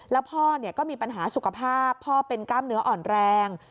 แล้วพ่อก็มีปัญหาสุขภาพพ่อเป็นกล้ามเนื้ออ่อนแรง